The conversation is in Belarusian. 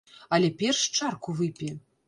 Але перш чарку выпі.